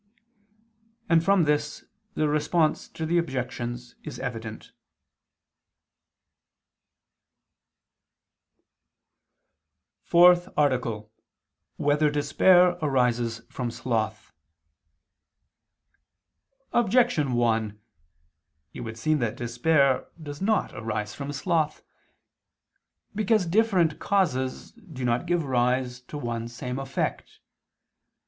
[And from this the response to the objections is evident.] _______________________ FOURTH ARTICLE [II II, Q. 20, Art. 4] Whether Despair Arises from Sloth? Objection 1: It would seem that despair does not arise from sloth. Because different causes do not give rise to one same effect.